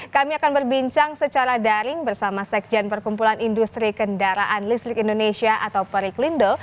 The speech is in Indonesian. kami akan berbincang secara daring bersama sekjen perkumpulan industri kendaraan listrik indonesia atau periklindo